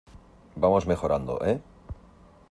vamos mejorando, ¿ eh?